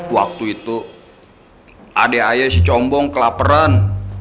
waktu itu adik ayah si combong kelaperan